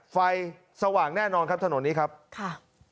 ไฟสว่างแน่นอนครับถนนนี้ครับค่ะ